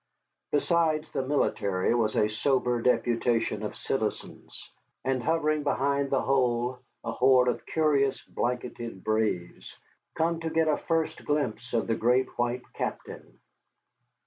Besides the military was a sober deputation of citizens, and hovering behind the whole a horde of curious, blanketed braves, come to get a first glimpse of the great white captain.